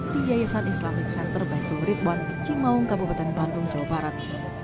di yayasan islamic center baitul ritwan cimaung kabupaten bandung jawa barat